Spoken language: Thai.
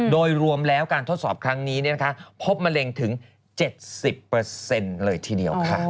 โดยรวมแล้วการทดสอบครั้งนี้พบมะเร็งถึง๗๐เลยทีเดียวค่ะ